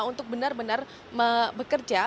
untuk benar benar bekerja